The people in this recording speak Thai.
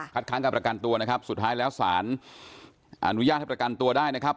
ค้างการประกันตัวนะครับสุดท้ายแล้วสารอนุญาตให้ประกันตัวได้นะครับ